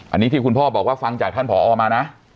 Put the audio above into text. อันนี้ที่คุณพ่อบอกว่าฟังจากท่านผอมานะ